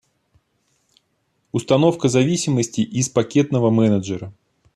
Установка зависимостей из пакетного менеджера